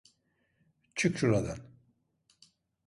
Çık şuradan!